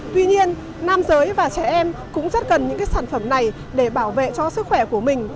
tuy nhiên nam giới và trẻ em cũng rất cần những cái sản phẩm này để bảo vệ cho sức khỏe của mình